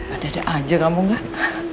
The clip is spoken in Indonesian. padada aja kamu gak